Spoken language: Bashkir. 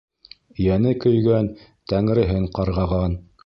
Йәне көйгән Тәңреһен ҡарғаған.